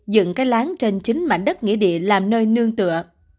dựng cái lán trên chính mảnh đất nghĩa địa làm nơi nương tựa